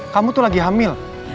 kamu tuh lagi hamil